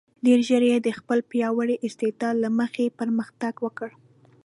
ډېر ژر یې د خپل پیاوړي استعداد له مخې پرمختګ وکړ.